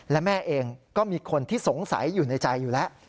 และแม่เองก็มีคนที่สงสัยอยู่ในใจอยู่แล้ว